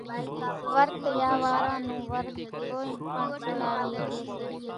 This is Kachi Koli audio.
ورت ريا وارا نون ورت ڪونئين پڻ سوڙاوي ۿڳي سي۔